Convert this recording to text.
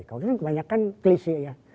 kalau kita kebanyakan klisi